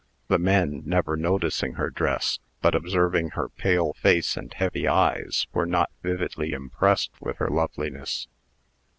The men, never noticing her dress, but observing her pale face and heavy eyes, were not vividly impressed with her loveliness.